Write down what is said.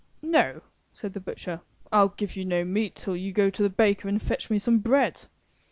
'' '*No,'' says the butcher, '^Fll give you no meat till you go to the baker and fetch me some bread/' ^^^^^.